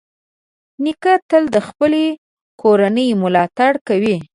نیکه تل د خپلې کورنۍ ملاتړ کوي.